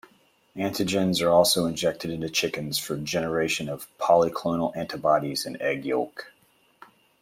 Antigens are also injected into chickens for generation of polyclonal antibodies in egg yolk.